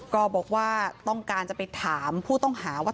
ก็บอกว่าต้องการจะไปถามผู้ต้องหาว่า